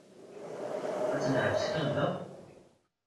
Ad tt-neḥbes kan da?